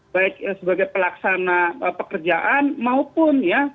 baik sebagai pelaksana pekerjaan maupun ya